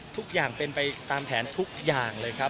ทุกอย่างเป็นไปตามแผนทุกอย่างเลยครับ